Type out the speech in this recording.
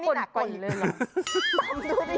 โอ้นี่หนักกว่าอีกเรื่องแล้ว